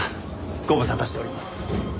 ご無沙汰しております。